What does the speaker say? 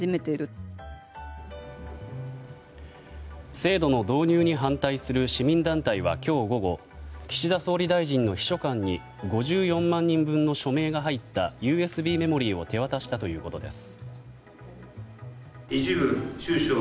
制度の導入に反対する市民団体は今日午後岸田総理大臣の秘書官に５４万人分の署名が入ったＵＳＢメモリーを手渡したということです。